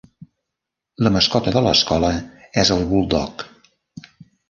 La mascota de l'escola és el buldog.